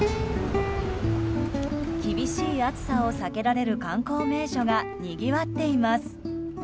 厳しい暑さを避けられる観光名所が、にぎわっています。